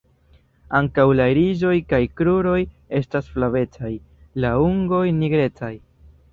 Ankaŭ la irisoj kaj kruroj estas flavecaj; la ungoj nigrecaj.